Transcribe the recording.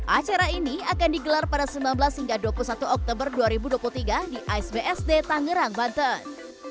acara ini akan digelar pada sembilan belas hingga dua puluh satu oktober dua ribu dua puluh tiga di asbsd tangerang banten